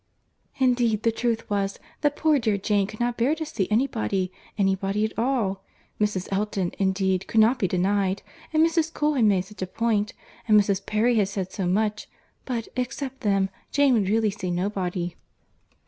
"Indeed, the truth was, that poor dear Jane could not bear to see any body—any body at all—Mrs. Elton, indeed, could not be denied—and Mrs. Cole had made such a point—and Mrs. Perry had said so much—but, except them, Jane would really see nobody."